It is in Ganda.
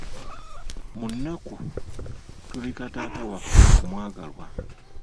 Mu nnaku, tubika taata waffe omwagalwa.